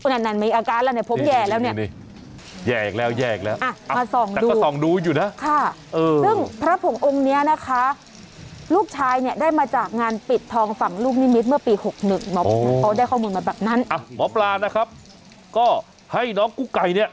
นั่นมีอาการแล้วผมแย่แล้วเนี่ย